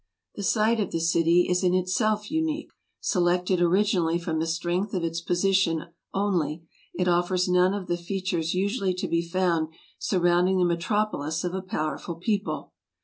The site of the city is in itself unique. Selected originally from the strength of its position only, it offers none of the features usually to be found surrounding the metropolis of a powerful people.